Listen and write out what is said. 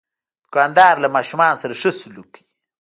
دوکاندار له ماشومان سره ښه سلوک کوي.